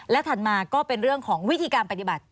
และถัดมาก็เป็นเรื่องของวิธีการปฏิบัติ